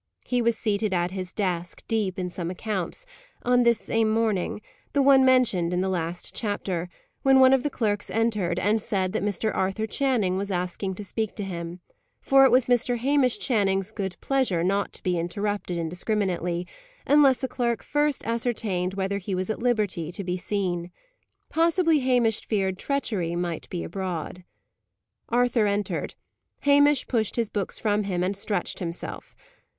He was seated at his desk, deep in some accounts, on this same morning the one mentioned in the last chapter when one of the clerks entered, and said that Mr. Arthur Channing was asking to speak to him: for it was Mr. Hamish Channing's good pleasure not to be interrupted indiscriminately, unless a clerk first ascertained whether he was at liberty to be seen. Possibly Hamish feared treachery might be abroad. Arthur entered. Hamish pushed his books from him, and stretched himself.